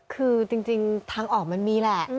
คือจริงทางออกมันมีแหละ